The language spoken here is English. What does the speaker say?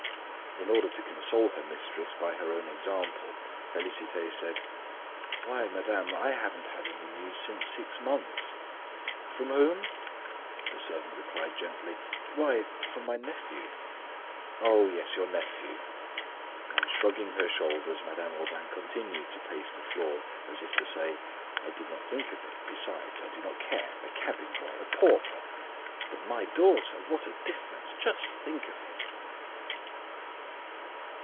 In order to console her mistress by her own example, Félicité said: "Why, Madame, I haven't had any news since six months!" "From whom?" The servant replied gently: "Why from my nephew." "Oh, yes, your nephew!" And shrugging her shoulders, Madame Aubain continued to pace the floor as if to say: "I did not think of it. Besides, I do not care, a cabin boy, a pauper! but my daughter what a difference! just think of it!